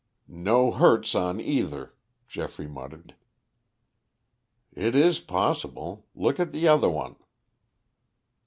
"No hurts on either," Geoffrey muttered. "It is possible. Look at the other one."